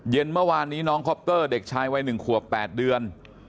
เมื่อวานนี้น้องคอปเตอร์เด็กชายวัย๑ขวบ๘เดือน